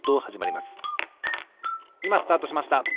いまスタートしました！